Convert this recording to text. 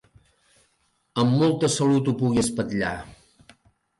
Amb molta salut ho pugui espatllar.